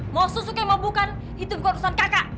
mau susu kayak mau bukan itu bukan urusan kakak